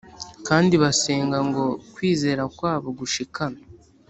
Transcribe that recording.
kandi basenga ngo kwizera kwabo gushikame